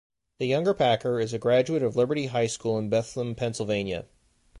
The younger Packer is a graduate of Liberty High School in Bethlehem, Pennsylvania.